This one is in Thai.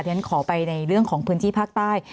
ฉันขอไปในเรื่องของพื้นที่ภาคใต้